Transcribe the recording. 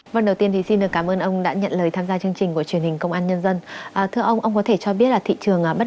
phân lô phân nền